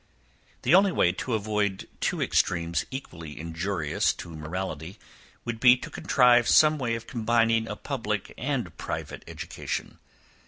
The only way to avoid two extremes equally injurious to morality, would be to contrive some way of combining a public and private education.